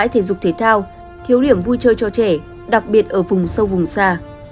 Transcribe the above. thể dục thể thao thiếu điểm vui chơi cho trẻ đặc biệt ở vùng sâu vùng xa